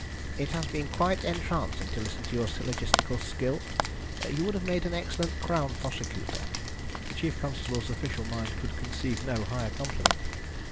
"It has been quite entrancing to listen to your syllogistical skill. You would have made an excellent Crown Prosecutor." The chief constable's official mind could conceive no higher compliment.